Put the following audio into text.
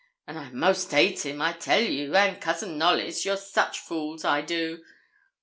an I 'most hate him, I tell you, and Cousin Knollys, you're such fools, I do.